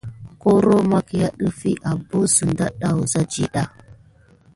Koro makia ɗefi abosune de wuza ɗiɗa.